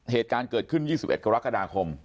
เหตุการณ์เกิดขึ้น๒๑กรกฎาคม